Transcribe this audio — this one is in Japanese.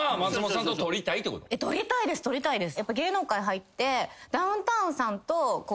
撮りたいです撮りたいです。